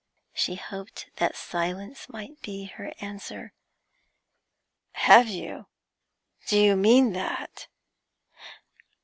She hoped that silence might be her answer. 'Have you? Do you mean that?'